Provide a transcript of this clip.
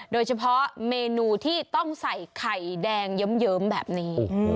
โดยเฉพาะเมนูที่ต้องใส่ไข่แดงเยิ้มแบบนี้